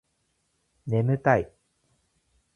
ねむたい